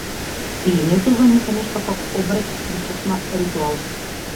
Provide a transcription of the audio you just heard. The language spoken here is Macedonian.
Пиењето за нив е нешто како обред, причесна, ритуал.